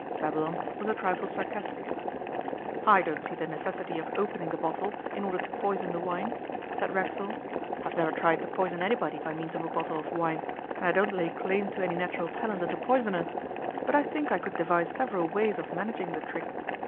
Babylon was a trifle sarcastic. 'I don't see the necessity of opening the bottle in order to poison the wine,' said Racksole. 'I have never tried to poison anybody by means of a bottle of wine, and I don't lay claim to any natural talent as a poisoner, but I think I could devise several ways of managing the trick.